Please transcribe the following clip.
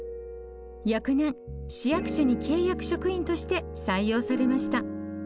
翌年市役所に契約職員として採用されました。